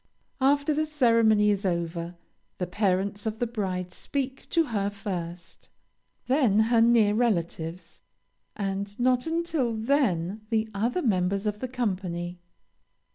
After the ceremony is over, the parents of the bride speak to her first; then her near relatives, and not until then the other members of the company.